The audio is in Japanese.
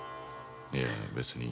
いや別に。